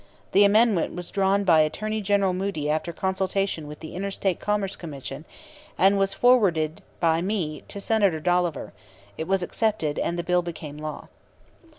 The amendment was drawn by Attorney General Moody after consultation with the Inter State Commerce Commission, and was forwarded by me to Senator Dolliver; it was accepted, and the bill became law.